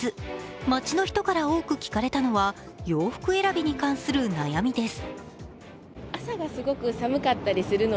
街の人から多く聞かれたのは洋服選びに関する悩みです。